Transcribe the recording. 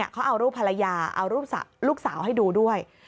เขาเอารูปภรรยาเอารูปลูกสาวให้ดูด้วย